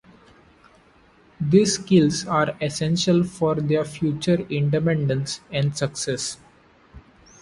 These skills are essential for their future independence and success.